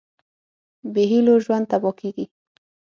بېهيلو ژوند تیاره کېږي.